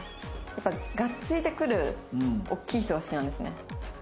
やっぱりがっついてくる大きい人が好きなんですね。